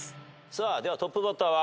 ではトップバッターは阿部君。